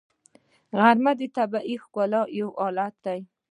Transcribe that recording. غرمه د طبیعي خوشحالۍ یو حالت دی